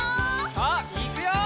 さあいくよ！